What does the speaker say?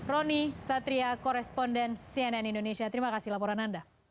roni satria koresponden cnn indonesia terima kasih laporan anda